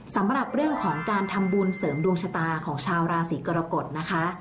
สำหรับเรื่องของการทำบุญเสริมดวงชะตาของชาวราศีกรกฎนะคะ